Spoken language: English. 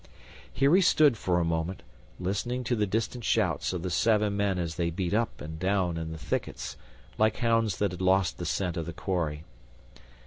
Here he stood for a moment, listening to the distant shouts of the seven men as they beat up and down in the thickets like hounds that had lost the scent of the quarry.